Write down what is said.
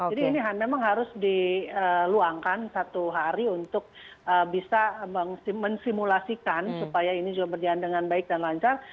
jadi ini memang harus diluangkan satu hari untuk bisa mensimulasikan supaya ini juga berjalan dengan baik dan lancar